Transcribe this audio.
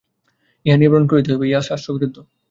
ইহা নিবারণ করিতেই হইবে, ইহা শাস্ত্রবিরুদ্ধ।